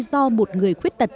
do một người khuyết tật